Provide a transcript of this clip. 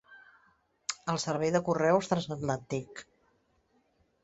El servei de correus transatlàntic.